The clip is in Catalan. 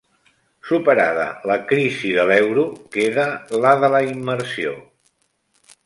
Superada la crisi de l'euro, queda la de la immersió.